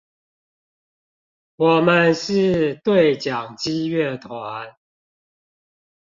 我們是對講機樂團